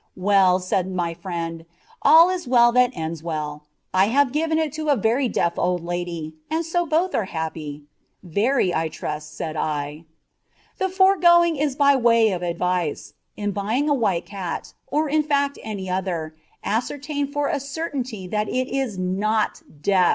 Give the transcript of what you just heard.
"Well," said my friend, "'all is well that ends well;' I have given it to a very deaf old lady, and so both are happy." "Very, I trust," said I. The foregoing is by way of advice; in buying a white cat or, in fact, any other ascertain for a certainty that it is not deaf.